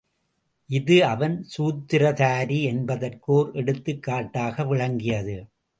இது அவன் சூத்திரதாரி என்பதற்கும் ஓர் எடுத்துக் காட்டாக விளங்கியது.